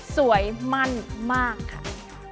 สวยมั่นมากค่ะ